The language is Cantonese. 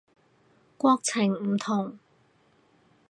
國情唔同